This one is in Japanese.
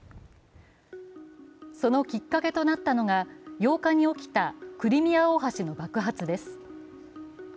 そのきっかけとなったのが８日に起きたクリミア大橋の爆発です。